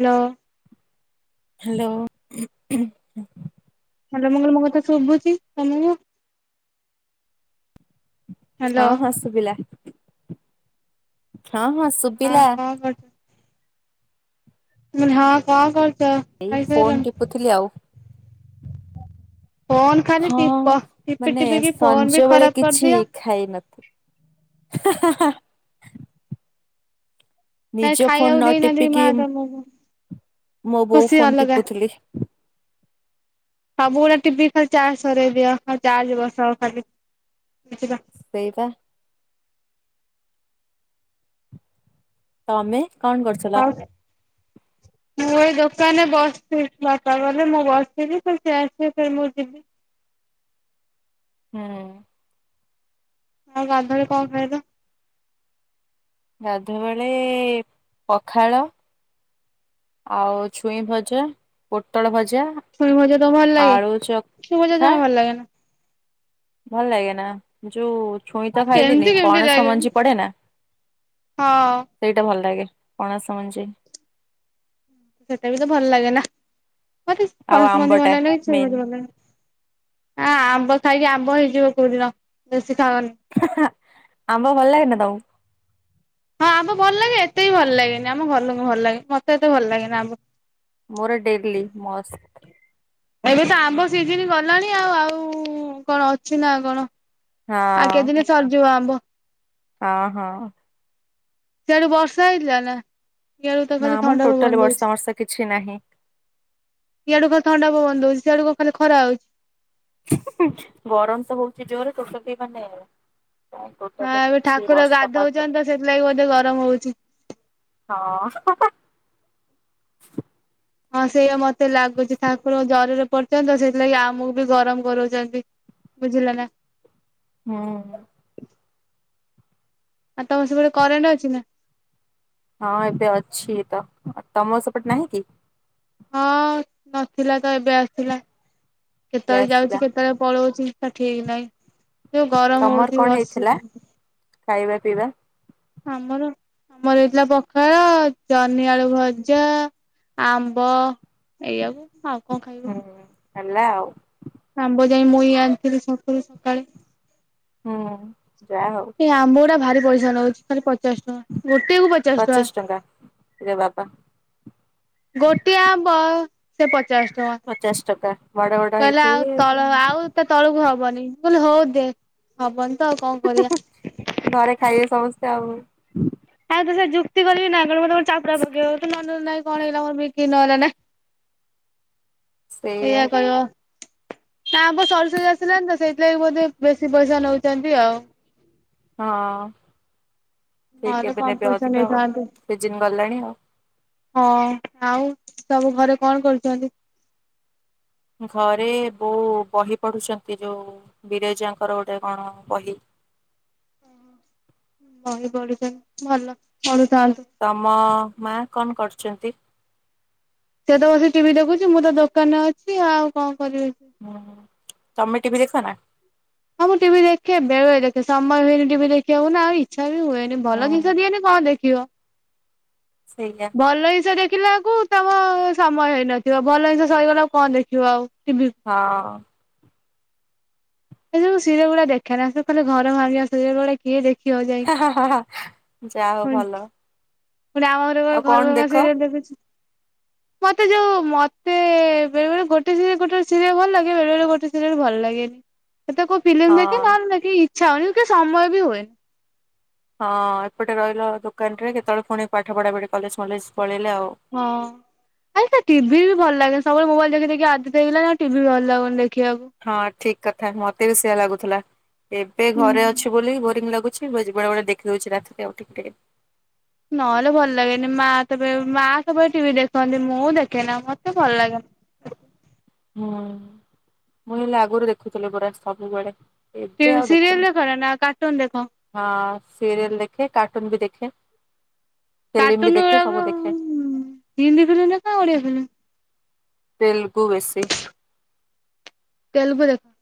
Hello. Hello. Hello ମୁଁ କହିଲି ମୋ କଥା ଶୁଭୁଚି ତମକୁ? ହ୍ୟାଲୋ ହଁ-ହଁ ଶୁବିଲା। ହଁ-ହଁ ସ୍ ହଁ କଁ କରୁ ମୁଁ [unintelligible] ହଁ କଁ କରୁଚ? ଏଇ ଫୋନ ଟିପୁଥିଲି ଆଉ। ଫୋନ ଖାଲି ହଁ ଟିପ ଟିପି ମାନେ ଟିପିକି ଫୋନ ବି ସଞ୍ଜ ବେଳେ ଖରାପ କିଛି କରିଦିଅ ଖାଇନ ହାଁ ହାଁ। କାଇଁ ନିଜ ଫୋନ ଖାଇବାକୁ ନ ଦେଇନାହାନ୍ତି ଟିପିକି ମା ତମକୁ ମୋ ବୋଉ ଖୁସି ଫୋନ ଅଲଗା। ଟିପୁଥିଲି। ସବୁ ଗୁଡ଼ା ଟିପିକି ଖାଲି ଚାର୍ଜ ସରେଇ ଦିଅ ଆଉ ଚାର୍ଜ ବସାଅ ଖାଲି ଟିପିବା ସେଇବା। ତମେ କଣ କରୁଥିଲ? ଆଉ ମୁଁ ଏଇ ଦୋକାନରେ ବସିଥିଲି ବାପା ଗଲେ ମୁଁ ବସିଥିଲି ତ ସେ ଆସିଲେ ଫେରେ ମୁଁ ଯିବି। ହୁଁ। ଆଉ ଗାଧୁଆ ବେଳେ କଣ ଖାଇଲ? ଗାଧୁଆବେଳେ ପଖାଳ ଆଉ ଛୁଇଁ ଭଜା ପୋଟଳ ଭଜା। ଛୁଇଁ ଭଜା ତମକୁ ଭଲ ଲାଗେ ଆଳୁ ଛୁଇଁ ଭଜା ଚଖା ଜମା ଭଲ ଲାଗେନା। ଭଲ ଲାଗେ ନା। ଯୋଉ ଛୁଇଁ ତ କେମିତି ଖାଇଲିନି କେମିତି ପଣସ ଲାଗେ ମଞ୍ଜି ପଡେନା ହଁ ସେଇଟା ଭଲ ଲାଗେ ପଣସ ମଞ୍ଜି। ସେଟା ବି ତ ଭଲ ଲାଗେ ନା। ମତେ ଆଉ ପଣସ ମଞ୍ଜି ଭଲ ଆମ୍ବଟା ଲାଗେନା କି ଛୁଇଁ ମେନ୍ ମଞ୍ଜି ଭଲ ଲାଗେନା। ଆ ଆମ୍ବ ଖାଇକି ଆମ୍ବ ହେଇଯିବ କୋଉଦିନ ବେଶୀ ଖାଅନି। ଆମ୍ବ ଭଲ ଲାଗେନା ତମକୁ? ହଁ ଆମ୍ବ ଭଲ ଲାଗେ ଏତେ ବି ଭଲ ଲାଗେନି ଆମ ଘର ଲୋକଙ୍କୁ ଭଲ ଲାଗେ ମତେ ଏତେ ଭଲ ଲାଗେନି ଆମ୍ବ। ମୋର ଡ଼େଲି ମସ୍ତ। ଏବେ ତ ଆମ୍ବ ସିଜିନି ଗଲାଣି ଆଉ ଆଉ କଣ ଅଛି ନା କଣ। ଆଉ ହଁ କେଇ ଦିନେ ସରିଯିବ ଆମ୍ବ। ହଁ ହଁ। ସେଆଡୁ ବର୍ଷା ହେଇଥିଲା ନା ଇଆଡଡୁ ତ ନା ଖାଲି ମ ଥଣ୍ଡା ଟୋଟାଲି ପବନ ବର୍ଷା ଦଉଛି। ବର୍ଷା କିଛି ନାହିଁ ଇଆଡ଼ୁ ଖାଲି ଥଣ୍ଡା ପବନ ଦଉଚି ସିଆଡୁ କଣ ଖାଲି ଖରା ହଉଛି? [unintelligible] ଗରମ ତ ହଉଛି ଜୋରେ ଶୋଷ ବି ମାନେ ହଁ ଟୋଟାଲି ଏବେ କିଛି ଠାକୁର ବର୍ଷା ପାଗ ଗାଧଉଚନ୍ତି ତ ସେଥିଲାଗି ବୋଧେ ଗରମ ହଉଛି। ହଁଅ [unintelligible] ହଁ ସେଇୟା ମତେ ଲାଗୁଚି ଠାକୁର ଜରରେ ପଡିଚନ୍ତିତ ସେଇଥିଲାଗି ଆମକୁ ବି ଗରମ କରଉଚନ୍ତି। ବୁଝିଲ ନା? ହଁ। ଆଉ ତମର ସେପଟେ କରେଣ୍ଟ ଅଛି ନା? ହଁ ଏବେ ଅଛି ତ ତମ ସେପଟେ ନାହିଁ କି? ହଁ ନଥିଲାତ ଏବେ ଆସିଲା ଏବେ କେତେବେଳେ ଆସିଲା ଯାଉଚି କେତେବେଳେ ପଳଉଚି। ତା ଠିକି ନାଇଁ ଯୋଉ ଗରମ ତମର ହଉଚି କଣ ବସି ହେଇଥିଲା ହୋଉନାଇ। ଖାଇବା ପିଇବା ଆମର ଆମର ହେଇଥିଲା ପଖାଳ ଜନ୍ନି ଆଳୁ ଭଜା ଆମ୍ବ ଏଇଆଉ ଆଉ କଣ ଖାଇବୁ। ହୁଁ ହେଲା ଆଉ। ଆମ୍ବ ଯାଇ ମୁଇ ଆଣିଥିଲି ଛକୁରୁ ସକାଳେ। ହୁଁ ଯାହା ହଉ। ଏ ଆମ୍ବ ଗୁଡା ଭାରି ପଇସା ନଉଚି ଖାଲି ପଚାଶ ଟଙ୍କା। ଗୋଟେ କୁ ପ ପଚିଶୀ ଟଙ୍କା ରେ ବାବା। ଗୋଟିଏ ଆମ୍ବ, ସେ ପଚାଶ ଟଙ୍କା, ପଚାଶ ଟଙ୍କା ବଡ ବଡ କହିଲା ଆଉ ହେଇଥିବେ ତଳ ଆଉ। ତା ତଳକୁ ହବନି, ମୁଁ କହିଲି ହଉ ଦେ ହବନି ତ ଆଉ କଣ କରିବା। ଘରେ ଖାଇବେ ସମସ୍ତେ ଆଉ। ତା ସହିତ ଯୁକ୍ତି କରିବିନା ଅନକଲ ମୋତେ ଗୋଟେ ଚାପୁଡ଼ା ପକାଇବ, ତୁ ନନେଲୁ ନାହିଁ କଣ ହେଇଗଲା। ମୋର ବିକିରି ନହେଲେ ନାଇଁ। ସେଇଆ ଏଇଆ କହବ। ନା ଆମ୍ବ ସରିସରି ଆସିଲାଣିିତ, ସେଇଥିପାଇଁ ବୋଧେ ବେଶୀ ପଇସା ନଉଚନ୍ତି ଆଉ। ହଁ ଠିକ୍ ନହେଲେ କେବେ କମ ଦେବେ ପଇସା ଅଧିକ ଆଉ, ନେଇଥାନ୍ତେ ସିଜିନୀ ଗଲାଣି ଆଉ। ହଁ ଆଉ, ସବୁ ଘରେ କଣ କରୁଛନ୍ତି? ଘରେ ବୋଉ ବହି ପଢୁଛନ୍ତି, ଯୋଉ ବିରଜାଙ୍କର ଗୋଟେ କଣ ବହି। ବହି ବଢୁଛନ୍ତି ଭଲ ପଢୁଥାନ୍ତୁ। ତମ, ମା କଣ କରୁଚନ୍ତି? ସେତ ବସି ଟିଭି ଦେଖୁଚି, ମୁଁ ତ ଦୋକାନରେ ଅଛି ଆଉ କଣ କରିବି। ହଁ ହ ତମେ ଟିଭିି ଦେଖନା। ହଁ ମୁଁ ଟିଭି ଦେଖେ, ବେଳେବେଳେ ଦେଖେ ସମୟ ହୁଏନି। ଟିଭି ଦେଖିବାକୁ ନା ଆଉ ଇଚ୍ଛା ବି ହୁଏନି, ହୁଁ ଭଲ ଜିନିଷ ଦିଏନୀ। କଣ ଦେଖିବ। ସେଇଆ। ଭଲ ଜିନିଷ ଦେଖିଲା ବେଳକୁ ତମକୁ ସମୟ ହେଇନଥିବ, ଭଲ ଜିନିଷ ସରିଗଲା ଆଉ କଣ ଦେଖିବ ଟିଭିକୁ। ହଁ। ସେ ସବୁ ସିରିଏଲ ଗୁଡା ଦେଖେନା, ସେ ଖାଲି ଘର ଭାଙ୍ଗିବା ସିରିଏଲ ଗୁଡ଼ା କିଏ ଦେଖିିବା ଯାଇ, ଯା ହଉ ହୁଁ। ଭଲ। ପଣି ଆମର ବା ଆଉ କଣ ଘରଭଙ୍ଗା ଦେଖ? ସିରିଏଲ ଦେଖୁଛି। ମତେଯୋଉ ମତେ ବେଳେବେଳେ ଗୋଟେ ସିରିଏଲ ଗୋଟେ ସିରିଏଲ ଭଲ ଲାଗେ, ବେଳେ ବଳେ ଗୋଟେ ସିରିଏଲ ଭଲ ଲାଗେନି। ଏତେ କୋଉ ଫିଲ୍ମ ହଁ ଦେଖେ ନହେଲେ ନାଇଁ କିଛି ଇଚ୍ଛା ହୁଏନି କି ସମୟ ବିୁ ହୁଏନି। ହଁ, ଏପଟେ ରହିଲ ଦୋକାନରେ କେତେବେଳେ ପୁଣିି ପାଠ ପଢାପଢି କଲେଜ ଫଲେଜ ପଳେଇଲେ ଆଉ। ହଁ। ଆଗେତ ଟିଭିବି ଭଲ ଲାଗେ, ସବୁବେଳେ ମୋବାଇଲି ଦେଖିଦେଖି ଆଦତ ହେଇଗଲାଣି, ଟିଭି ବି ଭଲ ଲାଗୁନି ଦେଖିବାକୁ। ହଁ ଠିକ୍ କଥା ମତେ ବି ସେଇଆ ଲାଗୁଥିଲା। ଏବେ ଘରେ ଅ ଛି ବୋଲି ବୋରିଙ୍ଗ ଲାଗୁଚି, ବେଳେବେଳେ ଦେଖି ଦଉଚି ରାତିରେ ଉଠିକି ଟିକେ। ନହେଲେ ଭଲ ଲାଗେନି। ମା ତ ବେ ମା ସବୁବେଳେ ଟିଭି ଦେଖନ୍ତି ମୁଁ ଦେଖେନା ମତେ ଭଲ ଲାଗେନା। ହୁଁ, ମୁଁ ହେଲେ ଆଗରୁ ଦେଖୁଥିଲି ପୁରା ସବୁବେଳେ। ସି ଏବେ ଆଉ ସିରିଏଲ ଦେଖୁନି। ଦେଖନା, ନା କାର୍ଟୁନ ଦେଖ? ହଁ ସିରିଏଲ୍ ଦେଖେ, କାର୍ଟୁନ ବି ଦେଖେ। ଫିଲ୍ମ ବି କାର୍ଟୁନ୍ ଦେଖେ ସବୁ ଗୁରାକ, ଦେଖେ। ହୁଁ ହିନ୍ଦୀ ଫିଲ୍ମ୍ ଦେଖ ନା ଓଡିଆ ଫିଲ୍ମ୍? ତେଲୁଗୁ ବେଶି। ତେଲୁଗୁ ଦେଖ।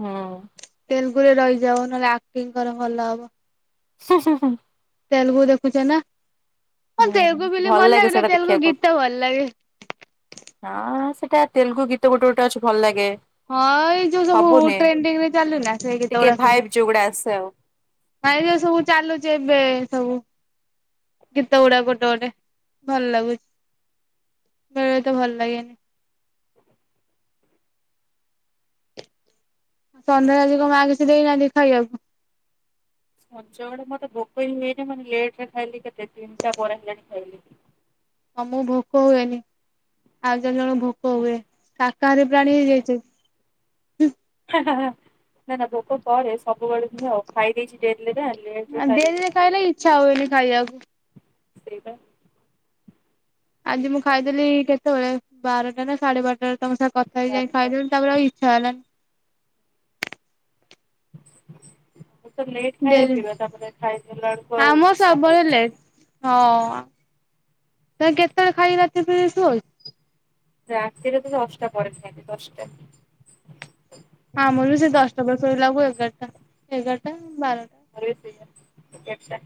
ହଁ। ତେଲୁଗୁ ରେ ରହିଯାଅ, ନହଲେ ଆକ୍ଟିଙ୍ଗ୍ କର ଭଲ ହବ। ହୁଁ ହୁଁ ହୁଁ। ତେଲୁଗୁ ଦେଖୁଛ ନା, ହଁ ହୁଁ ତେଲୁଗୁ ଫିଲ୍ମ୍ ଭଲ ଲାଗେ ନା ସେଇଟା ତେଲୁଗୁ ଦେଖିବାକୁ ଗୀତ ଭଲ ଲାଗେ? ହଁ, ସେଇଟା ତେଲୁଗୁ ଗୀତ ଗୋଟେ ଗୋଟେ ଅଛି ଭଲ ଲାଗେ। ହଁ, ଏଇ ଯୋଉ ସବୁ ଟ୍ରେଣ୍ଡିଙ୍ଗ୍ ରେ ଚାଲେନା ସେ ଗୀତ ଟିକେ ଗୁଡା ସବୁ। ଭାଇବ ଯୋଉଗୁଡା ଆସେ ଆଉ। ନାଇଁ ଯେ ସବୁ ଚାଲୁଛି ଏବେ ସବୁ। ଗୀତ ଗୁଡା ଗୋଟେ ଗୋଟେ ଭଲ୍ ଲାଗୁଛି। ବେଳେ ବେଳେ ତ ଭଲ୍ ଲାଗେନି। ଆଉ ସନ୍ଧ୍ୟାଏଳେ ଆଜି କଁ ମାଆ କିଛି ଦେଇନାହାଁନ୍ତି ଖାଇଆକୁ? ସଞ୍ଜ ବେଳେ ମତେ ଭୋକ ହିଁ ହୁଏନି ମାନେ ଲେଟ୍ ରେ ଖାଇଲି କେତେ ତିନ୍ଟା ପରେ ହେଲାଣି ଖାଇଲି। ଅମୁକୁ ଭୋକ ହୁଏନି ଆଉ ଜଣ ଜଣଙ୍କୁ ଭୋକ ହୁଏ ସାକାହାରୀ ପ୍ରାଣୀ ହେଇଯାଇଛ କି? ହାଃ ହାଃ ହାଃ ନା ନା ଭୋକ କରେ ସବୁବେଳେ ନୁହେଁ ଅ ଖାଇ ଦେଇଛି ଡେରି ନାଁ ଲେଟ୍ ରେ ଖାଇଲି। ଫେରେ ଇଚ୍ଛା ହୁଏନି ଖାଇଆକୁ। ତ୍ରେ ପା। ଆଜି ମୁଁ ଆଉ ଖାଇଦେଲି କେତେବେଳେ ବାରଟା ନା ସାଢେ ବାରଟାରେ ତମ ସାଙ୍ଗେ କଥା ହେଇ ଯାଇ ବାରଟା ଖାଇଦେଲିି ତାପରେ ଆଉ ଇ ଇଚ୍ଛା ହେଲାନି। ଏତେ ଲେଟ୍ ଖାଇବା ଡେରି ପିଇବା ତାପରେ ଖାଇ ସାରିଲାଏଳୁକୁ ଆଉ ଆମର ଇଚ୍ଛା ସବୁବେଳେ ହୋଉଚି। ଲେଟ୍ ହଁ ତମେ କେତେବେଳେ ଖାଇକି ରାତି ପିଇ ସୁଅ କି? ରାତିରେ ତ ଦଶ୍ଟା ପରେ ଖାଏ ଦଶ୍ଟା। ହଁ ଆମର ବି ସେଇ ଦଶ୍ଟା ପରେ ଶୋଇଲାକୁ ଏଗାର୍ଟା, ଏଗାର୍ଟା ବାରଟା। ଆମରି ବି ସେଇୟା ଏଗାର୍ଟା।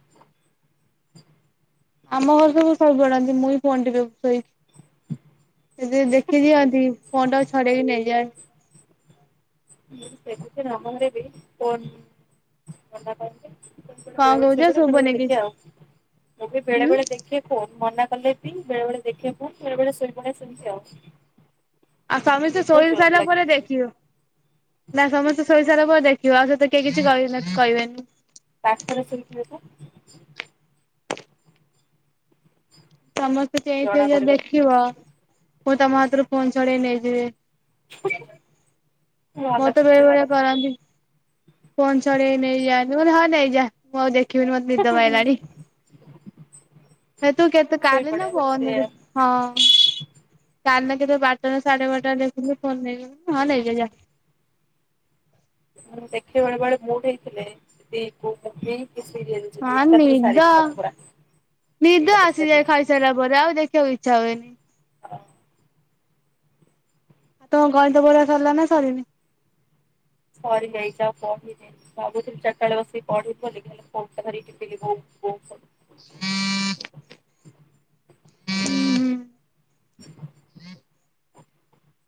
ଆମ ଘରେ ସବୁ ସବୁ ଶୋଇପଡନ୍ତି ମୁଁ ହିଁ ଫୋନ୍ ଟି ଦେଖୁଛି ଶୋଇକି। ସେ ଜିଏ ଦେଖି ଦିଅନ୍ତି ଫୋନ୍ ଟା କୁ ଛଡେଇକି ନେଇଯାନ୍ତି। ମୁଁ ବି ସେଖୁଛି ଆମ ଘରେ ବି ଫୋନ୍ ମନା କରନ୍ତି। [inaudible] ବେଳେ କଣ ବେଳେ କହୁଛ ଶୋଇପଡେ ଆଉ ବେଳେ ବେଳେ ଶୁଭୁନି କିଛି ହୁଁ ଦେଖେ ଆଉ। ଫୋନ୍ ମନା କଲେ ବି ବେଳେ ବେଳେ ଦେଖେ ଫୋନ୍, ବେଳେ ବେଳେ ଶୋଇପଡେ ସେମ୍ତି ଆଉ। ଆଉ ମତେ ସମିସ୍ତେ ନିଦ ଶୋଇ ଜୋର ସାଇଲା ଲାଗେ ପରେ ଦେଖିବ, ନା ସମସ୍ତେ ଶୋଇ ଇଚ୍ଛା ରେ ହବ ଦେଖିବ ଆଉ ସେତ କେଇ କିଛି କଇନ କଇବେନି। ପାଖରେ ଶୁନ୍ ଥୁବେତ? ସମସ୍ତେ ଚେଇଁ ଥିବେ ଜଣା ଯେଦି ପଡିବ। ଦେଖିବ ପୁଣି ତମ ହାତରୁ ଫୋନ୍ ଚଡେଇ ନେଇଯିବେ। ହୁଁ ହୁଁ। ମୋର ତ ବେଳେ ବେଳେ କରନ୍ତି। ଫୋନ୍ ଛଡ଼େଇ ନେଇଯାଆନ୍ତି ମୁଁ କଇନି ହଁ ନେଇଯା ମୁଁ ଆଉ ଦେଖିବିନି ମତେ ନିଦ ମାଇଲାଣି। ସେତୁ କେତେ କାଲି ଶୋଇପଡେ ନା ଫଅର୍ ସେ ଦିନ ସେତୁ ହଁ। କାଲି ନା କେତେବେଳେ ବାର୍ଟା ନା ସାଢେ ବାର୍ଟା ରେ ଦେଖୁଥିଲି ଫୋନ୍ ନେଇଗଲେ ମୁଁ କଇଲି ହଁ ନେଇଯା ଯାଆ। ମୁଁ ଦେଖିବାର କୁଆଡେ ମୁଡ୍ ହେଇଥିଲେ ଏ କୋଉ ମୁଭି କି ସିରିଏଲ୍ ହଁ ନିଦ, ନିଦ ଦିଟା ତିନିଟା ଆସିଯାଏ ଯାଏ। ଖାଇସାଇଲା ପରେ ଆଉ ଦେଖିଆକୁ ଇଚ୍ଛା ହୁଏନି। ଆଉ ତମ ଗଣିତ ପଢ଼ା ସରିଲା ନା ସରିନି? ସରି ଯାଇଛି ଆଉ ପଢିନେଇଁ। ଭାବୁଥିଲି ଚାର୍ଟା ବେଳେ ବସିକି ପଢିବି ବୋଲିକି ହେଲେ ଫୋନ୍ ଟା ଧରିକି ଟିପିଲି [inaudible] [unintelligible] [inaudible] [unintelligible]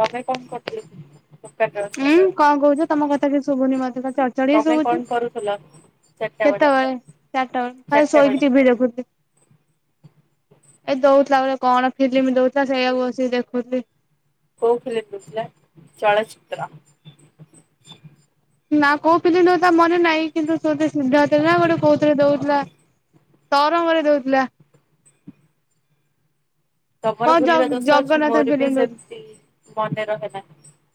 ତମେ କଣ୍ କରୁଥିଲ କି? ଦୋକାନରେ ଅଛ ଉଁ ବୋଧେ କଁ କୋଉଚ ତମ କଥା କିଛି ଶୁଭୁନି ମତେ ଚଡ୍ ଚଡ୍ ହିଁ ଶୁଭୁଛି। କରୁଥୁଲ କେତେବେଳେ ଚାରିଟା ବେଳେ ମୁଁ ଖାଲି ଚାରିଟା ଶୋଇକି ବେଳେ ଟିଭି ଦେଖୁଥିଲି। ଏ ଦୋଉଥିଲା ଗୋଟେ କଣ ଫିଲିମି ଦୋଉଥିଲା ସେଇଆକୁ ବସିକି ଦେଖୁଥିଲି। କୋଉ ଫିଲିମ୍ ଦୋଉଥିଲା? ନା କୋଉ ଫିଲିମ୍ ଦୋଉଥିଲା ମନେ ନାହିଁ କିନ୍ତୁ ଶୁଦ୍ଧିସ୍ନିଗ୍ଧା ଥିଲା ଗୋଟେ କୋଉଥିରେ ଦୋଉଥୁଲା। ତରଙ୍ଗରେ ଦଉଥିଲା। ତମର କଣ ଭୁଲିବା ଦୋଷ ଅଛି ଜଗନ୍ନାଥ ମୋର ଫିଲ୍ମ ବି ଦଉଥିଲା। ସେମିତି ମନେ ରହେନା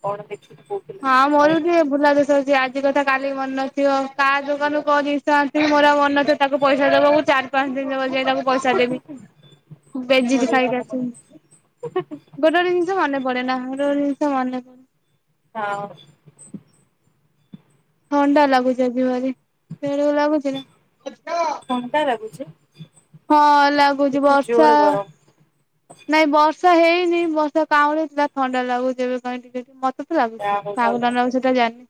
କଣ ଦେଖିନି କୋଉ ଫିଲ୍ମ ହଁ କଣ ମୋର ବି ରହିଲା। ଟିକେ ଭୁଲା ଦୋଷ ଅଛି ଆଜି କଥା କାଲି କି ମନ ନଥିବ କାହା ଦୋକାନରୁ କଣ ଜିନିଷ ଆଣିିଥିବି ମୋର ଆଉ ମନ ନଥିବ ତାକୁ ପଇସା ଦବାକୁ ଚାରି, ପାଞ୍ଚ ଦିନ [unintelligible] ଯାଇ ତାକୁ। ପଇସା ଦେବି ମୋର ବେଜିିତ ବି ଖାଇକି ମନେ ପଡେ ଆସିମ୍। ଗୋଟେ ଗୋଟେ ଜିନିଷ ମନେ ପଡେନା ଗୋଟେ ଗୋଟେ ଜିନିଷ ମନେ ପ ହଁ। ଥଣ୍ଡା ଲାଗୁଛି ଆଜି ଭାରି [unintelligible] ଲାଗୁଛି ନା। ଥଣ୍ଡା ଲାଗୁଛି। ହଁ ଲାଗୁଛି ଏଠି ବର୍ଷା। ଜୋର ଗରମ ନାଇଁ ବର୍ଷା ହେଇନି ବର୍ଷା କାଉଁଳି ଥିଲା ଥଣ୍ଡା ଲାଗୁଛି ଏବେ ପାଇଁ ଟିକେ ଟିକେ ମ ତତେ ଲାଗୁଛି ଯାହା ହଉ କାହାକୁ ଭଲ ଥଣ୍ଡା ଲାଗୁଚି ସେଟା ଜାଣିନି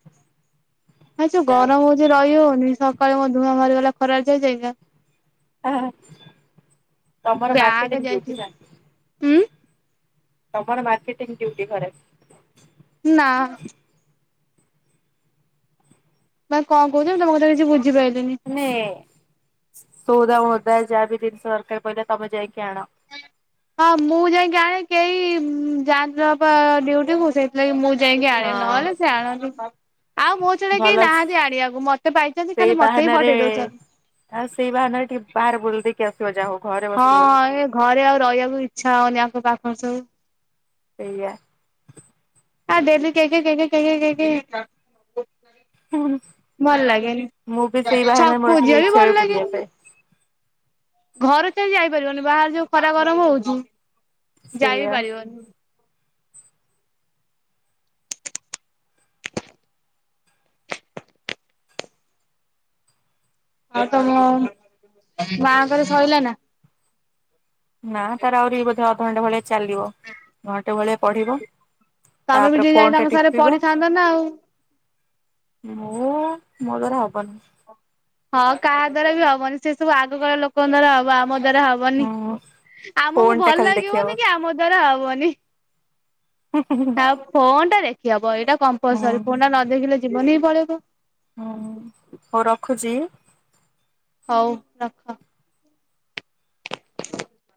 ଆଉ ଯୋଉ ଯାହା ଗରମ ଯଉ ରହିହଉନି ସକାଳୁ ମୋ ଧୂଆଁ ବାହାରିଗଲା ଖରାରେ ଯାଇ ଯାଇକା। ଆ ତମର ବ୍ୟାଗ ମାର୍କେଟ [unintelligible] ଥିଲା। ଯାଇଥିଲି ଉଁ ତମର ମାର୍କେଟ [unintelligible] ଘରେ। ନା। ତମେ କଣ କହୁଚ? ମୁଁ ତମ କଥା କିଛି ବୁଝିପାଇଲିନି। ନେ ସଉଦା ମଉଦା ଯାହା ବି ଜିନିଷ ଦରକାର ପଡିଲେ ତମେ ଯାଇକି ଆଣ। ହଁ ମୁଁ ଯାଇକି ଆଣେ କେହି ଉଁ ଯାଆନ୍ତି ପା ଡିଉଟି ମୁଁ ସେ [unintelligible] ମୁଁ ଯାଇକି ଆଣେ ହଁ ନହେଲେ ସେ ଆଣନ୍ତି। ଆଉ ମୋ ଛଡା ଭଲ କେହି ନାହାନ୍ତି ଆଣିବାକୁ ମତେ ପାଇଛନ୍ତି ସେଇ ଖାଲି ମତେ ହି ବାହାନାରେ ପଠେଇ ଦଉଛନ୍। ଆଉ ସେଇ ବାହାନରେ ଟିକେ ବାହାରେ ବୁଲ ଦେଇ କି ଆସିବ ଯାଅ ଘରେ। ବସିବନି ହଁଁ ଏ ଘରେ ଆଉ ରହିବାକୁ ଇଚ୍ଛା ହଉନି ଆଙ୍କ ପାଖରେ ସବୁ। ସେଇଆ। ଆ ଡେଲି କେଁ କେଁ କେଁ କେଁ କେଁ କେଁ କେଁ କେଁ [unintelligible] ଭଲ ଲାଗେନି ମୁଁ ବି ସେଇ ବାହାନାରେ ମୋର ଛକକୁ ବି ଟିକେ ଯିଆ ବି ଇଚ୍ଛା ହୁଏ ଭଲ ବୁଲିବା ଲାଗେନି। ପାଇଁ ଘରେ ତ ଯାଇପାରିବନି ବାହାରେ ଯୋଉ ଖରା, ଗରମ ହଉଛି ଯାଇ ବି ସେଇଆ ପାରିବନି। ଆଉ ତମ ମା ଙ୍କର ସଇଲା ନା। ନା ତାର ଆହୁରି ବୋଧେ ଅଧଘଣ୍ଟା ଭଳିଆ ଚାଲିବ ଘଣ୍ଟେ ଭଳିଆ ପଢିବ। ତମେ ବି ତାପରେ ଟିକେ ଫୋନ ଯାଇ ଟା ତାଙ୍କ ସାଙ୍ଗରେ ଟିପିବ ପଢିଥାନ୍ତ ନା ଆଉ। ମୁଁ ମୋ ଦ୍ଵାରା ହବନି। ହଁ କାହା ଦ୍ଵାରା ବି ହବନି ସେ ସବୁ ଆଗ କାଳ ଲୋକଙ୍କ ଦ୍ୱାରା ହବ ଆମ ଦ୍ଵାରା ହ ବନି ହୁଁ। ଆମକୁ ଫୋନ୍ ଟା ଭଲ ଖାଲି ଦେଖିହବ ଲାଗିବନି କି ଆମ ଦ୍ଵାରା ହବନି। ହୁଁ ଆଉ ଫୋନଟା ଦେଖିହବ ଏଇଟା ହୁଁ କମ୍ପଲସରୀ ଫୋନଟା ନ ଦେଖିଲେ ଜୀବନ ହିଁ ପଳେଇବ। ହୁଁ ହଉ ରଖୁଛି। ହଉ ରଖ।